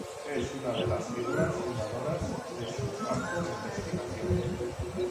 Es una de las figuras fundadoras de su campo de investigación.